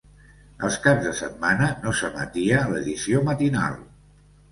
Els caps de setmana no s'emetia l'edició matinal.